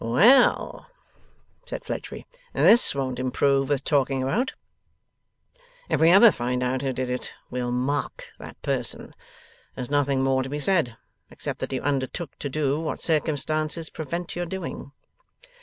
'Well!' said Fledgeby. 'This won't improve with talking about. If we ever find out who did it, we'll mark that person. There's nothing more to be said, except that you undertook to do what circumstances prevent your doing.